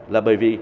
là bởi vì